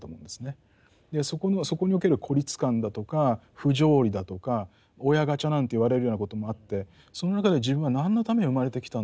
そこにおける孤立感だとか不条理だとか親ガチャなんて言われるようなこともあってその中で自分は何のために生まれてきたんだろう